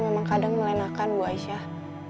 memang kadang melenakan bu aisyah